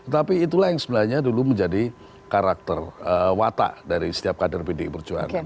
tapi itulah yang sebenarnya dulu menjadi karakter watak dari setiap kader pdi perjuangan